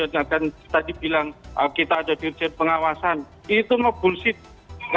katakan tadi bilang kita atau musim pengawasan ituses writing